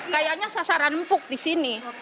kayaknya sasaran empuk di sini